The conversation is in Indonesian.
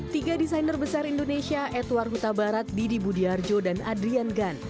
tiga desainer besar indonesia edward huta barat didi budiarjo dan adrian gan